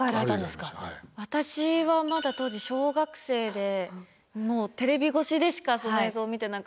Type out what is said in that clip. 私はまだ当時小学生でもうテレビ越しでしかその映像を見てなくて神戸にいたので。